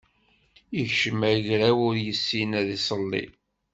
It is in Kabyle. Ikcem agraw, ur issin ad iṣelli.